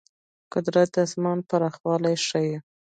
قدرت د آسمان پراخوالی ښيي.